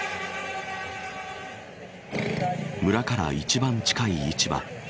村から一番近い市場。